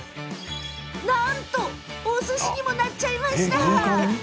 なんと、おすしにもなっちゃいました！